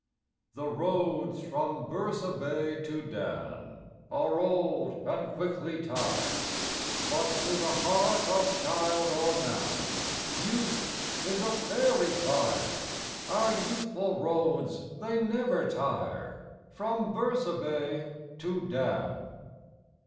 The roads from Bersabee to Dan Are old and quickly tire, But to the heart of child or man Youth is a fairy fire: Our youthful roads, they never tire From Bersabee to Dan.